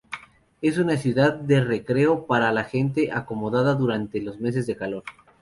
Es una ciudad de recreo para la gente acomodada durante los meses de calor.